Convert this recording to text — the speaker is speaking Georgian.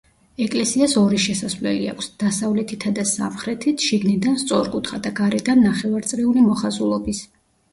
ეკლესიას ორი შესასვლელი აქვს: დასავლეთითა და სამხრეთით, შიგნიდან სწორკუთხა და გარედან ნახევარწრიული მოხაზულობის.